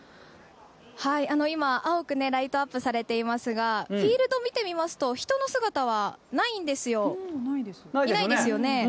今、青くライトアップされていますがフィールド見てみますと人の姿はないんですよ。